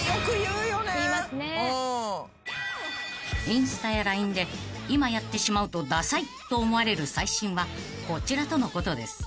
［インスタやＬＩＮＥで今やってしまうとダサいと思われる最新はこちらとのことです］